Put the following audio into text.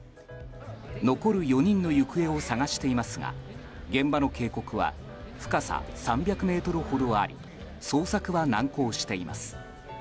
残る４人の行方を捜していますが現場の渓谷は深さ３００ｍほどあり捜索は難航しています。